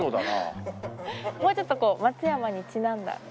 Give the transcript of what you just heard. ハハもうちょっと松山にちなんだ。